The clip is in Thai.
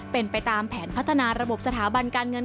เป็นไปตามแผนพัฒนาระบบสถาบันการเงิน